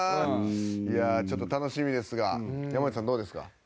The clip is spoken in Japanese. ちょっと楽しみですが山内さん、どうですか？